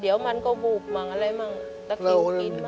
เดี๋ยวมันก็บุบหรืออะไรมั่งแล้วกินมาก